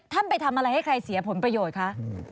ไปทำอะไรให้ใครเสียผลประโยชน์คะ